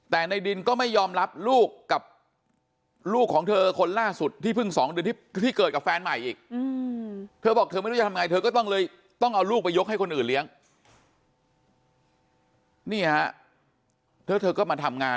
แต่ในดินก็ไม่ยอมรับลูกกับ